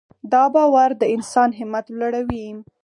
دا باور د انسان همت ورلوړوي.